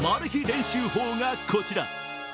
練習法がこちら。